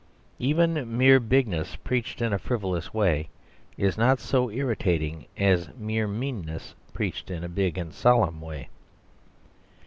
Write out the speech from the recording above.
Even mere bigness preached in a frivolous way is not so irritating as mere meanness preached in a big and solemn way.